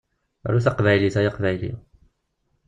Aru taqbaylit ay aqbayli!